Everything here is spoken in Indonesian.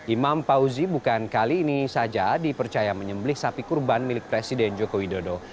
imam fauzi bukan kali ini saja dipercaya menyemblih sapi kurban milik presiden joko widodo